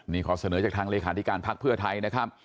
นี่ขอเสนอจากทางเลขาธิการพักเพื่อไทยนะครับ